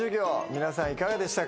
皆さんいかがでしたか？